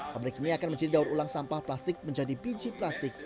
pabrik ini akan menjadi daur ulang sampah plastik menjadi biji plastik